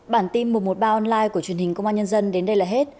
bản tin một trăm một mươi ba online của truyền hình công an nhân dân đến đây là hết